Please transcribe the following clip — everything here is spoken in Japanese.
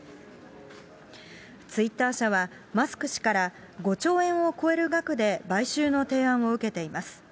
ツイッター社は、マスク氏から５兆円を超える額で買収の提案を受けています。